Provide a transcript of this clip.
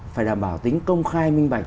phải đảm bảo tính công khai minh bạch